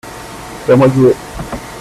c'est à moi de jouer.